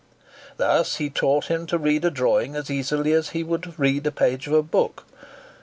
Thus he taught him to read a drawing as easily as he would read a page of a book.